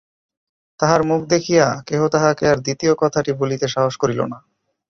তাহার মুখ দেখিয়া কেহ তাহাকে আর দ্বিতীয় কথাটি বলিতে সাহস করিল না।